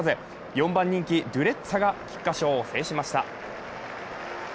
４番人気・ドゥレッツァが菊花賞を制しました。